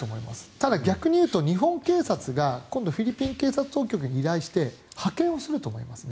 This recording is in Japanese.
ただ、逆に言うと日本警察が今度フィリピン警察当局に依頼して派遣をすると思いますね。